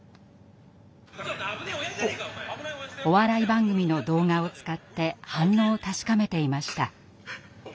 お笑い番組の動画を使って反応を確かめていました。